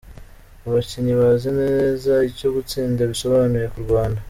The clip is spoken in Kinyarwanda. Abakinnyi bazi neza icyo gutsinda bisobanuye ku Rwanda.